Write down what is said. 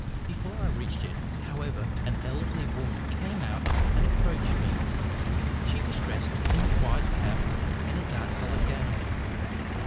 Before I reached it, however, an elderly woman came out and approached me. She was dressed in a white cap and a dark coloured gown.